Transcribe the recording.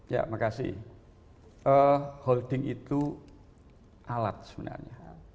ya makasih holding itu alat sebenarnya